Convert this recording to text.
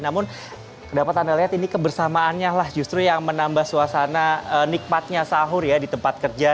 namun dapat anda lihat ini kebersamaannya lah justru yang menambah suasana nikmatnya sahur ya di tempat kerja